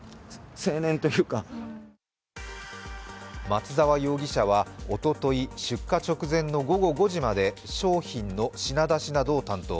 松沢容疑者は、おととい出火直前の午後５時まで商品の品出しなどを担当。